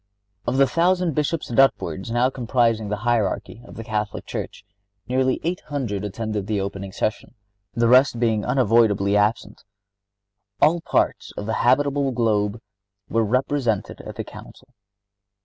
Of the thousand Bishops and upwards now comprising the hierarchy of the Catholic Church, nearly eight hundred attended the opening session, the rest being unavoidably absent. All parts of the habitable globe were represented at the Council.